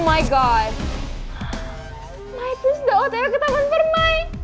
my prince udah otw ke taman permai